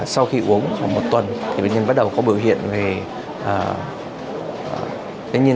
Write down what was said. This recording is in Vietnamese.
sau khi uống khoảng một tuần bệnh nhân bắt đầu có biểu hiện